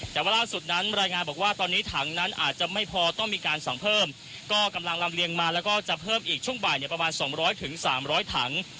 แต่ว่าล่าสุดนั้นรายงานบอกว่าตอนนี้ถังนั้นอาจจะไม่พอต้องมีการสั่งเพิ่มก็กำลังลำเลียงมาแล้วก็จะเพิ่มอีกช่วงบ่ายเนี่ยประมาณสองร้อยถึงสามร้อยถัง